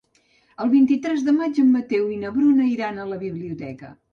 El vint-i-tres de maig en Mateu i na Bruna iran a la biblioteca.